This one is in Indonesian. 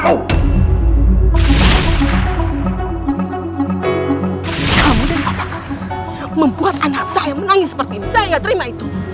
kamu dan apakah membuat anak saya menangis seperti ini saya gak terima itu